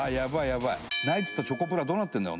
ナイツとチョコプラどうなってんだよ